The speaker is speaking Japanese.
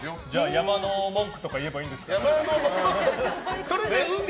山の文句とか言えばいいんですかね。